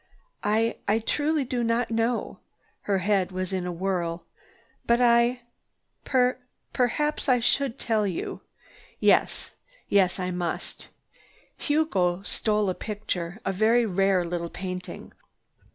"I—I truly do not know." Her head was in a whirl. "But I—per—perhaps I should tell you. Yes, yes I must. Hugo stole a picture, a very rare little painting."